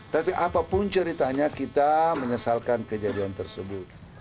tapi apapun ceritanya kita menyesalkan kejadian tersebut